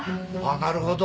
なるほど。